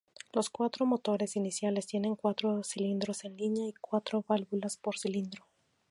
Los cuatro motores iniciales tienen cuatro cilindros en línea y cuatro válvulas por cilindro.